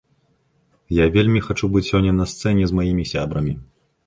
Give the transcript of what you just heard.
Я вельмі хачу быць сёння на сцэне з маімі сябрамі.